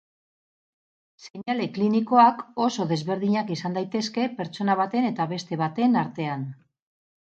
Seinale klinikoak oso desberdinak izan daitezke pertsona baten eta beste baten artean.